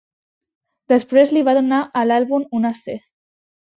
Després li va donar a l'àlbum una C.